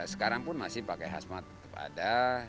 sekarang pun masih pakai hasmat tetap ada